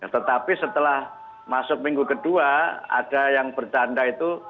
tetapi setelah masuk minggu kedua ada yang bercanda itu